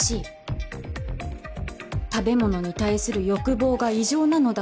食べ物に対する欲望が異常なのだ